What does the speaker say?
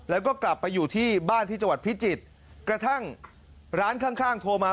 แล้วก็กลับไปอยู่ที่บ้านที่จังหวัดพิจิตรกระทั่งร้านข้างข้างโทรมา